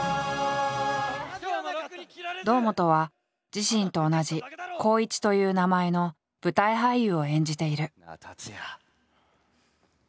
堂本は自身と同じ「コウイチ」という名前の舞台俳優を演じている。